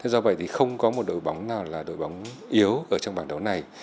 do vậy thì không có một đội bóng nào là đội bóng yếu ở trong bảng đấu này